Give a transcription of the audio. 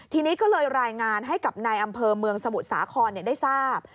ทีนี้ก็เลยรายงานให้กับนายอำเภอเมืองสมุทรสาครได้ทราบ